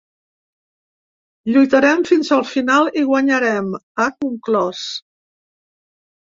Lluitarem fins al final i guanyarem, ha conclòs.